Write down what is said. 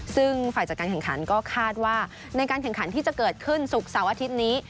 ซึ่งฝ่ายจัดการแข่งขันก็คาดว่าในการแข่งขันที่จะเกิดขึ้นศุกร์เสาร์อาทิตย์นี้